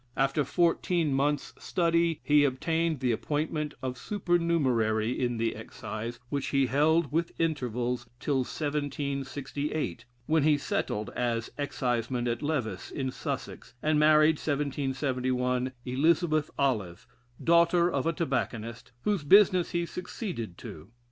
After fourteen months' study he obtained the appointment of supernumerary in the Excise, which he held, with intervals, till 1768, when he settled as Exciseman at Lewes, in Sussex, and married, 1771, Elizabeth Olive, daughter of a tobacconist, whose business he succeeded to.